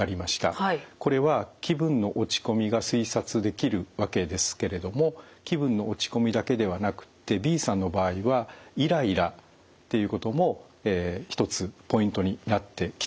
これは気分の落ち込みが推察できるわけですけれども気分の落ち込みだけではなくってＢさんの場合はイライラっていうことも一つポイントになってきたわけですね。